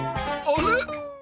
あれ？